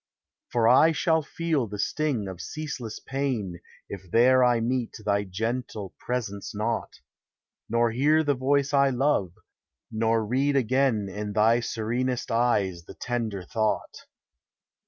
For I shall feel the sting of ceaseless pain If there I meet thy gentle presence not; Nor hear the voice I love, nor read again In thv serenesl eyes the tender thought.